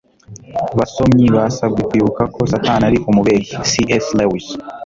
basomyi basabwe kwibuka ko satani ari umubeshyi - c s lewis